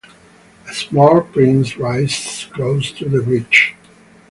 A small spring rises close to the bridge.